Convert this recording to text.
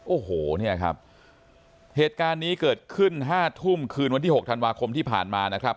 โอ้โหเนี่ยครับเหตุการณ์นี้เกิดขึ้น๕ทุ่มคืนวันที่๖ธันวาคมที่ผ่านมานะครับ